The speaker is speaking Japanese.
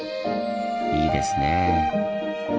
いいですね。